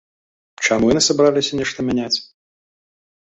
Чаму яны сабраліся нешта мяняць?